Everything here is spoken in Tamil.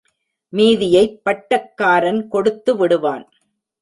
மீதியைப் பட்டக்காரன் கொடுத்து விடுவான்.